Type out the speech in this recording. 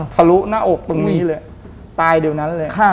ทะลุหน้าอกตรงนี้เลยตายเดี๋ยวนั้นเลย